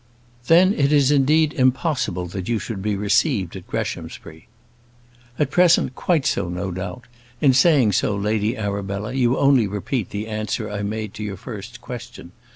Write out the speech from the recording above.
"Then it is indeed impossible that you should be received at Greshamsbury." "At present, quite so, no doubt: in saying so, Lady Arabella, you only repeat the answer I made to your first question.